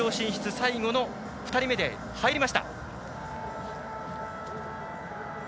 最後の２人目で入りました。